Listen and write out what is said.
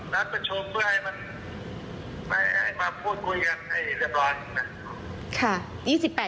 นัดประชุมเพื่อให้มันมาพูดคุยกันให้เรียบร้อยนะ